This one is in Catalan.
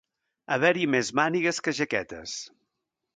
Haver-hi més mànigues que jaquetes.